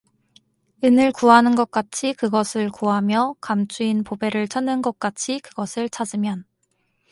은을 구하는 것 같이 그것을 구하며 감추인 보배를 찾는 것 같이 그것을 찾으면